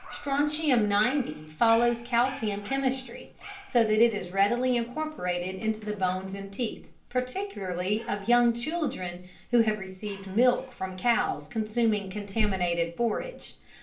Strontium 90 follows calcium chemistry, so that it is readily incorporated into the bones and teeth, particularly of young children who have received milk from cows consuming contaminated forage.